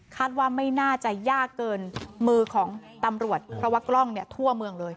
ว่าไม่น่าจะยากเกินมือของตำรวจเพราะว่ากล้องเนี่ยทั่วเมืองเลย